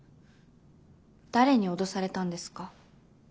誰に脅されたんですか？